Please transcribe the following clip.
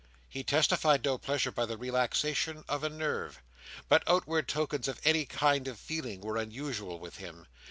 He testified no pleasure by the relaxation of a nerve; but outward tokens of any kind of feeling were unusual with him.